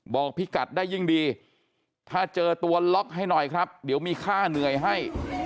บอกพี่กัดได้ยิ่งดีถ้าเจอตัวล็อกให้หน่อยครับเดี๋ยวมีค่าเหนื่อยให้